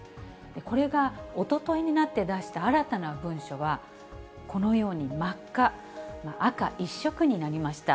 これがおとといになって出した新たな文書は、このように真っ赤、赤一色になりました。